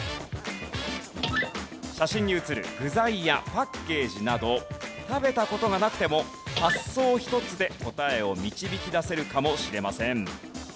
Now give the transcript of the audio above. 写真に写る具材やパッケージなど食べた事がなくても発想一つで答えを導き出せるかもしれません。